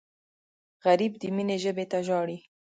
غریب د مینې ژبې ته ژاړي